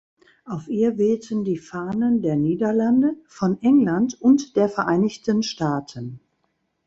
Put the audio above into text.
Auf ihr wehten die Fahnen der Niederlande, von England und der Vereinigten Staaten.